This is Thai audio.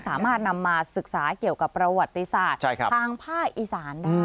สามารถนำมาศึกษาเกี่ยวกับประวัติศาสตร์ทางภาคอีสานได้